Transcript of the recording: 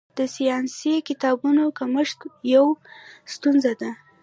د ساینسي کتابونو کمښت یوه ستونزه ده.